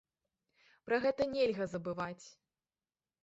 Пра гэта нельга забываць.